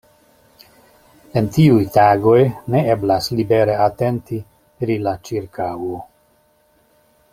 En tiuj tagoj, ne eblas libere atenti pri la ĉirkaŭo.